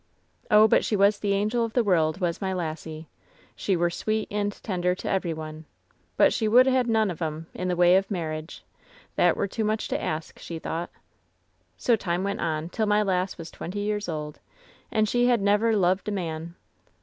'^Oh, but she was the angel of the world, was my lassie. She were sweet and tender to every on«, but she would ha'e none o' them i' the way o' marriage. That were too much to ask, she thought "So time went on, till my lass was twenty years old, and she had never lo'ed a man.